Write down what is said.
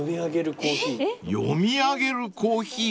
読み上げるコーヒー。